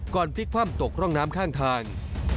พลิกคว่ำตกร่องน้ำข้างทาง